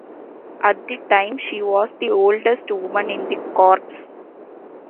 At the time she was the oldest woman in the Corps.